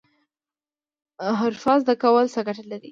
حرفه زده کول څه ګټه لري؟